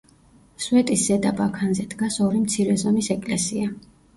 სვეტის ზედა ბაქანზე დგას ორი მცირე ზომის ეკლესია.